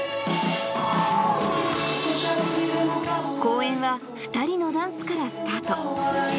公演は２人のダンスからスタート。